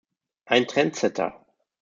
Ein Trendsetter.